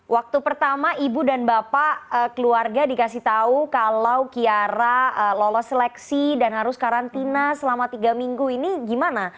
waktu pertama ibu dan bapak keluarga dikasih tahu kalau kiara lolos seleksi dan harus karantina selama tiga minggu ini gimana